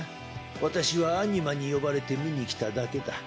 私はアニマに呼ばれて見に来ただけだ。